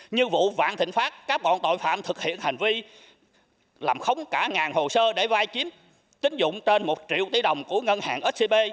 như vụ vạn thịnh pháp các bọn tội phạm thực hiện hành vi làm khống cả ngàn hồ sơ để vai chiếm tính dụng trên một triệu tỷ đồng của ngân hàng scb